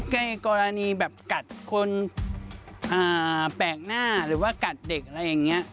ไอ้กรณีแบบกัดคนแปลกหน้าหรือว่ากัดเด็กอะไรอย่างนี้